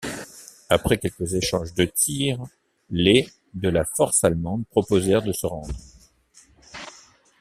Après quelques échanges de tir, les de la force allemande proposèrent de se rendre.